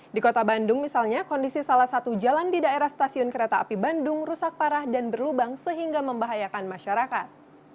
di kota bandung misalnya kondisi salah satu jalan di daerah stasiun kereta api bandung rusak parah dan berlubang sehingga membahayakan masyarakat